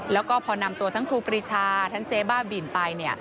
แล้วก็พอนำตัวทั้งครูปรีชาทั้งเจ๊บ้าบินไป